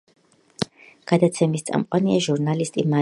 გადაცემის წამყვანია ჟურნალისტი მაია ასათიანი.